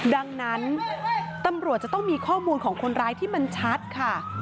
ดังนั้นตำรวจจะต้องมีข้อมูลของคนร้ายที่มันชัดค่ะ